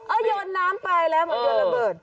โอ้ยยนต์น้ำไปแล้วยนต์ระเบิด